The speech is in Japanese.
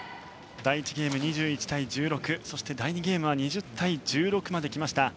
第１ゲーム、２１対１６そして第２ゲームは２０対１６まできました。